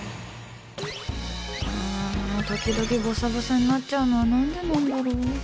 うーん時々ぼさぼさになっちゃうのは何でなんだろう。